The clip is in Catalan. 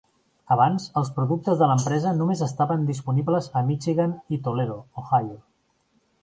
Abans, els productes de l'empresa només estaven disponibles a Michigan i Toledo, Ohio.